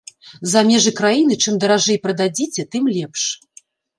За межы краіны чым даражэй прададзіце, тым лепш.